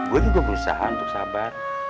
gue juga berusaha untuk sabar